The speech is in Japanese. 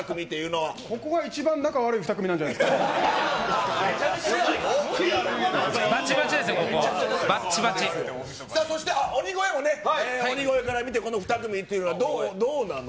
ばちばちですよ、ここ、さあ、そして鬼越もね、鬼越から見て、この２組っていうのはどうなの？